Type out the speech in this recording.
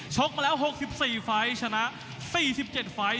มาแล้ว๖๔ไฟล์ชนะ๔๗ไฟล์